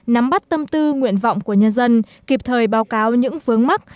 nắm bắt tâm tư nguyện vọng của nhân dân kịp thời báo cáo những vướng mắt